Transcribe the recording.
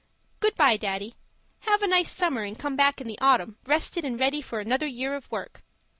Goodbye, Daddy. Have a nice summer and come back in the autumn rested and ready for another year of work.